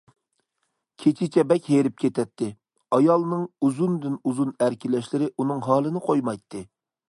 كېچىچە بەك ھېرىپ كېتەتتى، ئايالنىڭ ئۇزۇندىن ئۇزۇن ئەركىلەشلىرى ئۇنىڭ ھالىنى قويمايتتى.